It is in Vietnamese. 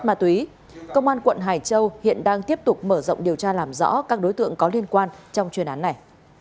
nhưng mà tùy ý công an quận hải châu hiện đang tiếp tục mở rộng điều tra làm rõ các đối tượng có liên quan trong chuyên án này